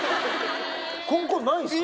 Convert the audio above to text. コンコンないんですか？